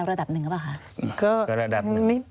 ควิทยาลัยเชียร์สวัสดีครับ